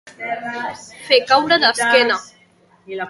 Fer caure d'esquena.